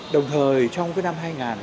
đồng thời trong năm